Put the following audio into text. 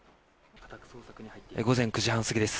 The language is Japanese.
午前９時半過ぎです。